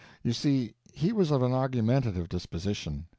You see, he was of an argumentative disposition.